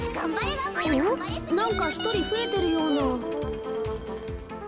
なんかひとりふえてるような。